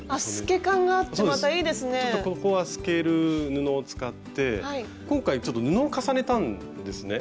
ちょっとここは透ける布を使って今回ちょっと布を重ねたんですね